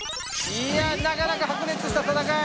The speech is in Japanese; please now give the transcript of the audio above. いやなかなか白熱した戦い。